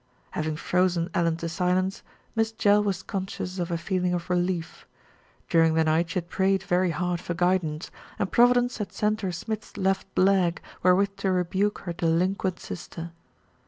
Having frozen Ellen to silence, Miss Jell was con scious of a feeling of relief. During the night she had prayed very hard for guidance, and Providence had sent her Smith's left leg wherewith to rebuke her delinquent sister.